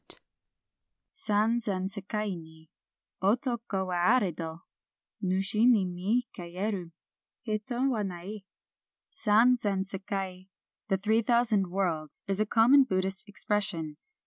^^ San zen sdkai ni Otoko wa arddo, NusM ni mi kayeru Hito wa nai. "San zen sekai," the three thousand worlds, is a common Buddhist expression.